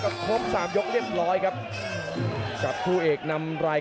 กระโดยสิ้งเล็กนี่ออกกันขาสันเหมือนกันครับ